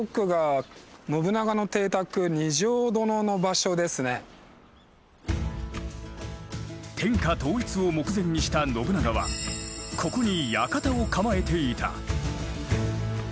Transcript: こちら天下統一を目前にした信長はここに館を構えていた。